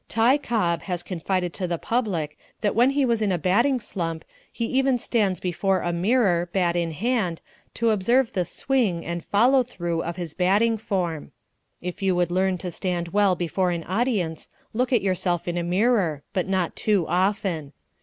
"Ty" Cobb has confided to the public that when he is in a batting slump he even stands before a mirror, bat in hand, to observe the "swing" and "follow through" of his batting form. If you would learn to stand well before an audience, look at yourself in a mirror but not too often.